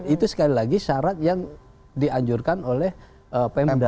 itu sekali lagi syarat yang dianjurkan oleh pemda